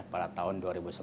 pada tahun dua ribu sebelas